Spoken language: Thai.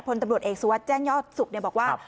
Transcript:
ผลตำรวจเอกสัวร์แจ้งยอดสุปรัชน์บอกว่า